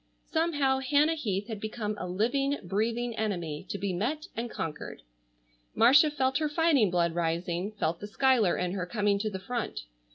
Somehow Hannah Heath had become a living, breathing enemy to be met and conquered. Marcia felt her fighting blood rising, felt the Schuyler in her coming to the front.